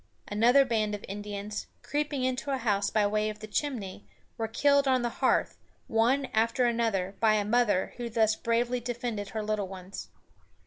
Another band of Indians, creeping into a house by way of the chimney, were killed on the hearth, one after another, by a mother who thus bravely defended her little ones.